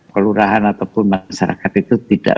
kelurahan ataupun masyarakat itu tidak